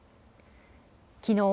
きのう